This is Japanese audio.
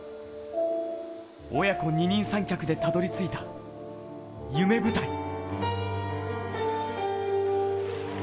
親子二人三脚でたどりついた夢舞台。